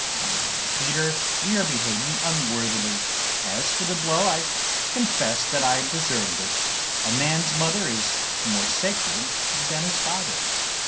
"Come, Peter, we are behaving unworthily. As for the blow, I confess that I deserved it. A man's mother is more sacred than his father.